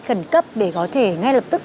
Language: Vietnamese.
khẩn cấp để có thể ngay lập tức